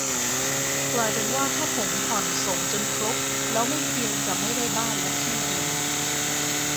กลายเป็นว่าถ้าผมผ่อนส่งจนครบแล้วไม่เพียงจะไม่ได้บ้านและที่ดิน